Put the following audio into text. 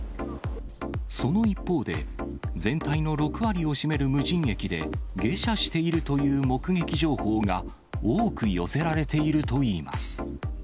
その一方で、全体の６割を占める無人駅で、下車しているという目撃情報が多く寄せられているといいます。